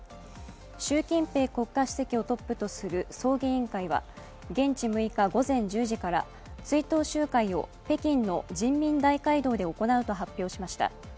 習近平国家主席をトップとする葬儀委員会は現地６日午前１０時から追悼集会を北京の人民大会堂で行うと発表しました。